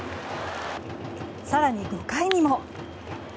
更に５回にも。